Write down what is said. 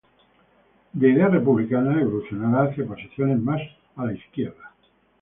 De ideas republicanas evolucionará hacia posiciones más izquierdistas.